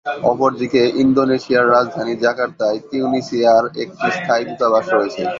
অপরদিকে, ইন্দোনেশিয়ার রাজধানী জাকার্তায় তিউনিসিয়ার একটি স্থায়ী দূতাবাস রয়েছে।